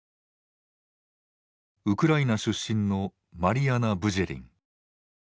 ウクライナ出身のマリアナ・ブジェリン。